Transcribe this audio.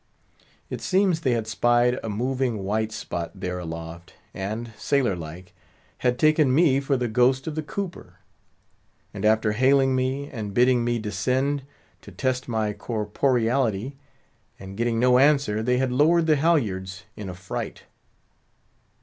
It seems they had spied a moving white spot there aloft, and, sailor like, had taken me for the ghost of the cooper; and after hailing me, and bidding me descend, to test my corporeality, and getting no answer, they had lowered the halyards in affright.